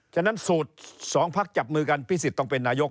ฉะนั้นสูตร๒พักจับมือกันพิสิทธิ์ต้องเป็นนายก